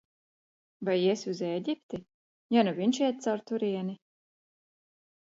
Vai iesi uz Ēģipti, ja nu viņš iet caur turieni?